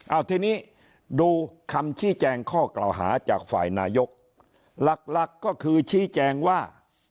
เอาทีนี้ดูคำชี้แจงข้อกล่าวหาจากฝ่ายนายกหลักหลักก็คือชี้แจงว่า